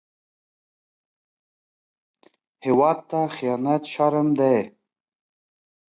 هېواد ته خيانت شرم دی